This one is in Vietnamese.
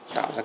tạo ra cái